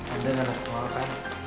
anda gak ada kemauan kan